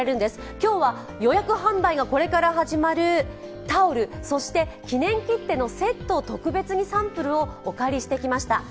今日は予約販売がこれから始まるタオル、そして記念切手のセットを特別にサンプルをお借りしてきました。